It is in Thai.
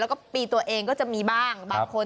แล้วก็ปีตัวเองก็จะมีบ้างบางคน